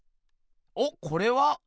おっこれは？